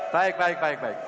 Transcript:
baik baik baik